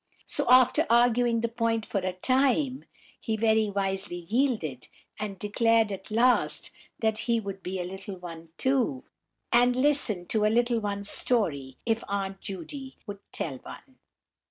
So, after arguing the point for a time, he very wisely yielded, and declared at last that he would be a "little one" too, and listen to a "little one's" story, if Aunt Judy would tell one.